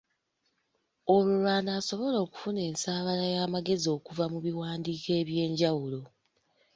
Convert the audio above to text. Olwo lw’anaasobola okufuna ensaabala y’amagezi okuva mu biwandiiko eby’enjawulo.